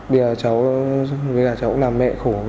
bây giờ cháu cũng làm mẹ khổ